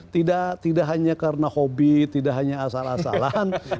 tidak hanya karena hobi tidak hanya asal asalan